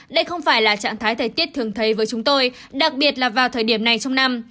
đây không phải là trạng thái thời tiết thường thấy với chúng tôi đặc biệt là vào thời điểm này trong năm